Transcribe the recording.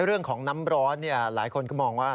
เรื่องของน้ำร้อนหลายคนก็มองว่า